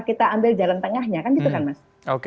kita ambil jalan tengahnya kan gitu kan mas